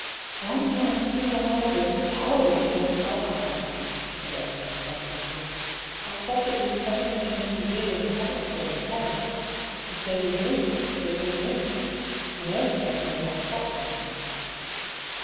"" One man, single handed, is powerless against alco hol," said the rector, helplessly. " I've fought it these seven and twenty years, and haven't scored a point. If they will drink, they will drink — an earthquake would not stop them."